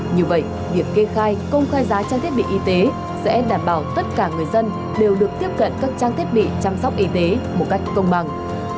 như vậy việc kê khai công khai giá trang thiết bị y tế sẽ đảm bảo tất cả người dân đều được tiếp cận các trang thiết bị chăm sóc y tế một cách công bằng